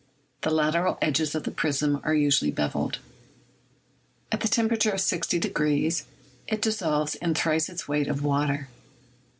The lateral edges of the prism are usually beveled. At the temperature of 6o° it dissolves in thrice its weight of water.